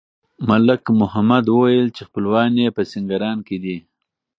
ملک محمد وویل چې خپلوان یې په سینګران کې دي.